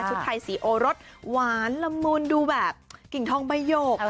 ไทยสีโอรสหวานละมุนดูแบบกิ่งทองใบหยก